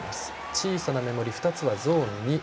小さなメモリ２つはゾーン２。